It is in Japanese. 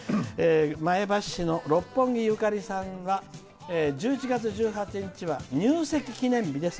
前橋市のろっぽんぎゆかりさんは１１月１８日は入籍記念日です」